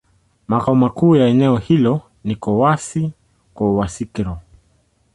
Makao makuu ya eneo hilo ni Kouassi-Kouassikro.